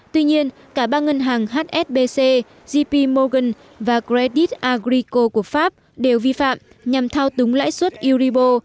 tuy nhiên cả ba ngân hàng hsbc jp morgan và credit agricole của pháp đều vi phạm nhằm thao túng lãi suất euribor